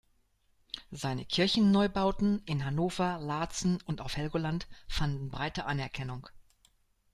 Seine Kirchenneubauten in Hannover, Laatzen und auf Helgoland fanden breite Anerkennung.